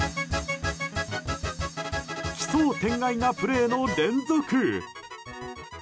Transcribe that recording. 奇想天外なプレーの連続！